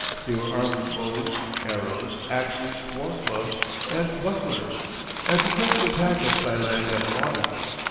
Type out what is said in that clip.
They were armed with bows, arrows, axes, war clubs, and bucklers, and prepared to attack us by land and water.